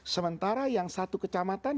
sementara yang satu kecamatan